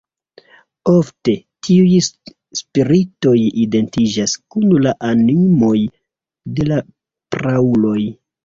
Ofte, tiuj spiritoj identiĝas kun la animoj de la prauloj.